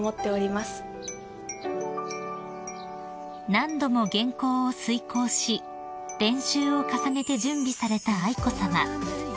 ［何度も原稿を推敲し練習を重ねて準備された愛子さま］